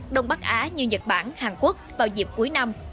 đông bắc á như nhật bản hàn quốc vào dịp cuối năm